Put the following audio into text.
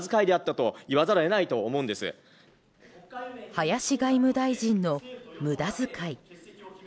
林外務大臣の無駄遣い。